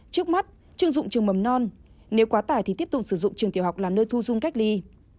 trước mắt chưng dụng trường mầm non nếu quá tải thì tiếp tục sử dụng trường tiểu học làm nơi thu dung cách ly